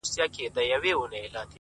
ما دی درکړی خپل زړه تاته امانت شېرينې _